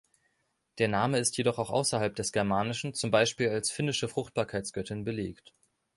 Der Name ist jedoch auch außerhalb des Germanischen, zum Beispiel als finnische Fruchtbarkeitsgöttin, belegt.